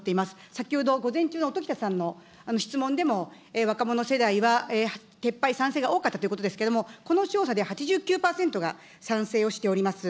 先ほど午前中の音喜多さんの質問でも、若者世代は撤廃賛成が多かったということですけれども、この調査で８９％が賛成をしております。